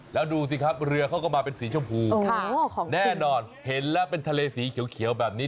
แล้วดูสิครับเรือเขาก็มาเป็นสีชมพูแน่นอนเห็นแล้วเป็นทะเลสีเขียวแบบนี้